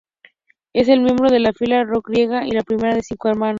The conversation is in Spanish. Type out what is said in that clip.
Es miembro de la Familia Real Griega y la primera de cinco hermanos.